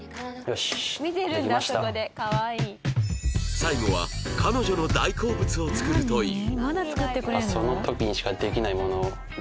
最後は彼女の大好物を作るという